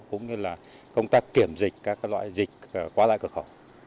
cũng như là công tác kiểm dịch các loại dịch qua lại cửa khẩu